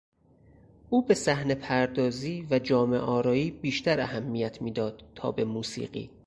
او به صحنهپردازی و جامهآرایی بیشتر اهمیت میداد تا به موسیقی.